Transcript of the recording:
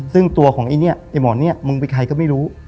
ซึ่งตัวของไอ้หมอเนี่ยมันเป็นใครก็ไม่รู้